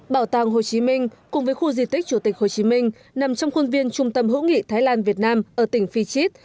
bảo tàng hồ chí minh cùng với khu di tích chủ tịch hồ chí minh nằm trong khuôn viên trung tâm hữu nghị thái lan việt nam ở tỉnh phi chít